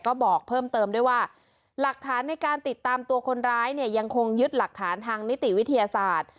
ก็บอกเพิ่มเติมด้วยว่าหลักฐานในการติดตามตัวคนร้ายเนี่ยยังคงยึดหลักฐานทางนิติวิทยาศาสตร์